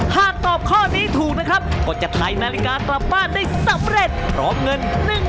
หากตอบข้อนี้ถูกนะครับก็จะไทยนาฬิกากลับบ้านได้สำเร็จพร้อมเงิน